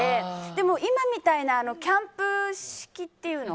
でも今みたいなキャンプ式っていうの？